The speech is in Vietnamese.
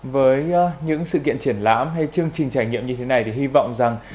với những sự kiện triển lãm hay chương trình trải nghiệm như thế này thì hy vọng rằng